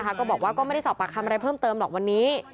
ก็บอกว่าก็ไม่ได้สอบปากคำอะไรเพิ่มเติมหรอกวันนี้